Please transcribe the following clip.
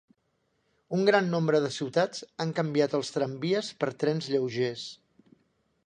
Un gran nombre de ciutats han canviat els tramvies per trens lleugers.